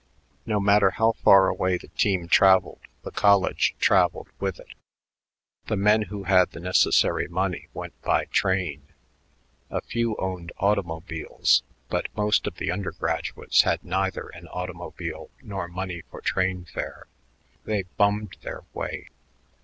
No matter how far away the team traveled, the college traveled with it. The men who had the necessary money went by train; a few owned automobiles: but most of the undergraduates had neither an automobile nor money for train fare. They "bummed" their way.